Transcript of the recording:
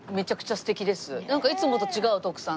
なんかいつもと違う徳さんが。